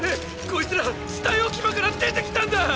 こいつら死体置き場から出てきたんだ！